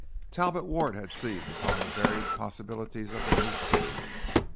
Talbot Ward had seized upon the varied possibilities of the new city.